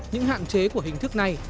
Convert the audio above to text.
những hạn chế của hình thức này